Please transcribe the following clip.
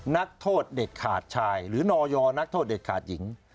นักโทษเด็ดขาดชายหรือนอยนักโทษเด็ดขาดหญิง